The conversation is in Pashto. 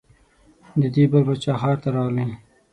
د دې بل باچا ښار ته راغلې.